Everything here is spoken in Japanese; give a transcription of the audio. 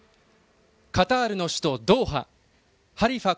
カタールの首都ドーハハリファ